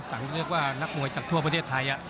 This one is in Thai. เรียกว่านักมวยจากทั่วประเทศไทย